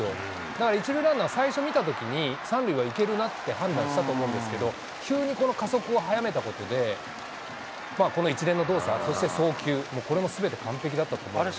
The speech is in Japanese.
だから、１塁ランナーは最初見たときに、３塁はいけるなって判断したと思うんですけど、急にこの加速を速めたことで、この一連の動作、そして送球、これもすべて完璧だったと思うので。